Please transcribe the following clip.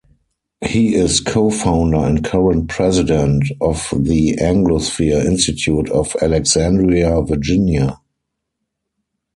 He is co-founder and current President of the Anglosphere Institute of Alexandria, Virginia.